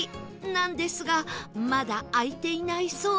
なんですがまだ開いていないそう